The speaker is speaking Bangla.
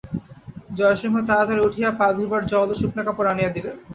জয়সিংহ তাড়াতাড়ি উঠিয়া পা ধুইবার জল ও শুকনো কাপড় আনিয়া দিলেন।